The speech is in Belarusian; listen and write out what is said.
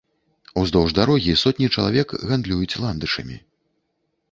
Уздоўж дарог сотні чалавек гандлююць ландышамі.